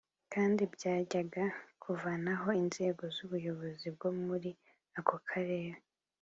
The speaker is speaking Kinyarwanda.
kandi byajyaga kuvanaho inzego z’ubuyobozi bwo muri ako karere